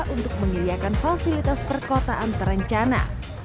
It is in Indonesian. untuk menyediakan fasilitas perkotaan terencana